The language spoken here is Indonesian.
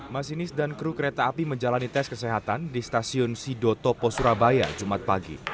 masinis dan kru kereta api menjalani tes kesehatan di stasiun sido topo surabaya jumat pagi